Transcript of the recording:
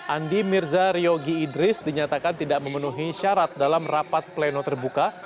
andi mirza riogi idris dinyatakan tidak memenuhi syarat dalam rapat pleno terbuka